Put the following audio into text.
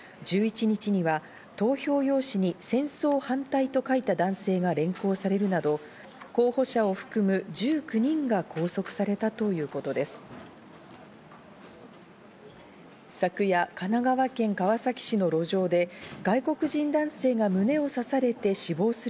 また人権保護団体によりますと、１１日には投票用紙に戦争反対と書いた男性が連行されるなど、候補者を含む１９人が拘束されたということです。